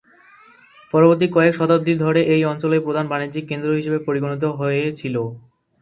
পরবর্তী কয়েক শতাব্দীর ধরে এই অঞ্চলই প্রধান বাণিজ্যিক কেন্দ্র হিসাবে পরিগণিত হয়েছিল।